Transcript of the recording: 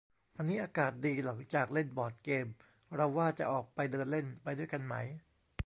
วันนี้อากาศดี หลังจากเล่นบอร์ดเกม เราว่าจะออกไปเดินเล่น ไปด้วยกันไหม